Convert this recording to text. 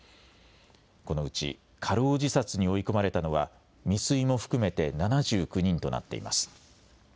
このうち過労自殺に追い込まれたのは未遂も含めて７９人となっています。